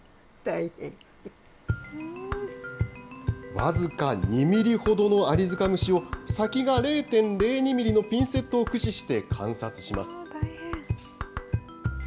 僅か２ミリほどのアリヅカムシを、先が０．０２ミリのピンセットを駆使して観察します。